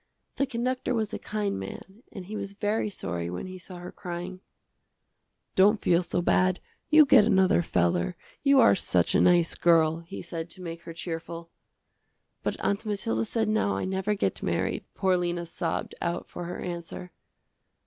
The conductor was a kind man and he was very sorry when he saw her crying. "Don't feel so bad, you get another feller, you are such a nice girl," he said to make her cheerful. "But Aunt Mathilda said now, I never get married," poor Lena sobbed out for her answer.